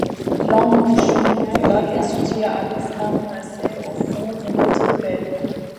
L'embouchure du lac est situé à l'extrême ouest au fond d'une petite baie.